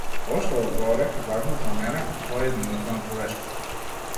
Ова што го говорев е важно за мене - тоа е иднината на човештвото.